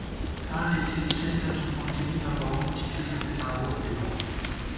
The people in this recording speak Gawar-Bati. کانڈے ݪی لِسَئیتہ تُو مو، ڈېئی نہ بَوُم ٹِکی ݫُپی تاں وُٹ بِبوم